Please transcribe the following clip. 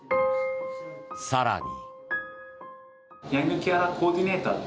更に。